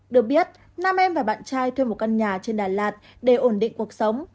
được biết nam em và bạn trai thuê một căn nhà trên đà lạt để ổn định cuộc sống